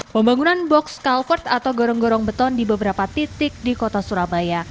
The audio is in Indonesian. pembangunan box culvert atau gorong gorong beton di beberapa titik di kota surabaya